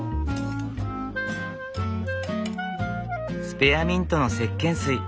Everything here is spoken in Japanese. スペアミントのせっけん水。